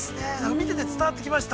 見てて、伝わってきました。